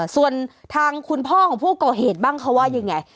ส่วนทางคุณพ่อของผู้ก่อเหตุบ้างเขาว่ายังไง